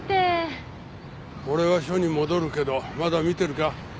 俺は署に戻るけどまだ見てるか？